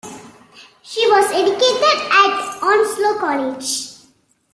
She was educated at Onslow College.